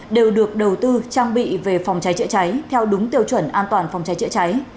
đều được đầu tư trang bị về phòng cháy chữa cháy theo đúng tiêu chuẩn an toàn phòng cháy chữa cháy